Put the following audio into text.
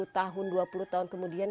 sepuluh tahun dua puluh tahun kemudian